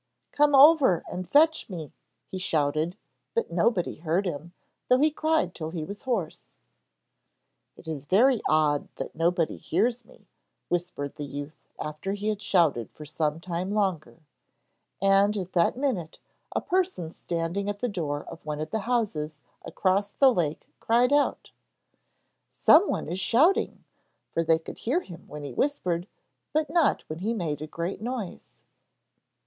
'Come over and fetch me,' he shouted, but nobody heard him, though he cried till he was hoarse. 'It is very odd that nobody hears me,' whispered the youth after he had shouted for some time longer; and at that minute a person standing at the door of one of the houses across the lake cried out: 'Someone is shouting'; for they could hear him when he whispered, but not when he made a great noise.